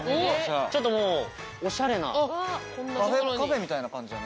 ちょっともうおしゃれなカフェみたいな感じだね